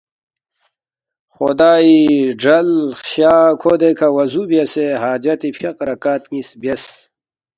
خُدائی گرل خشا کھو دیکھہ وُضو بیاسے حاجتی فیاق رکعت نِ٘یس بیاس